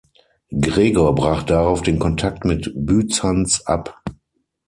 Gregor brach darauf den Kontakt mit Byzanz ab.